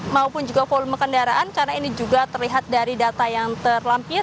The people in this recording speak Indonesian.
maupun juga volume kendaraan karena ini juga terlihat dari data yang terlampir